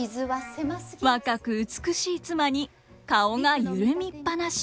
若く美しい妻に顔が緩みっぱなし。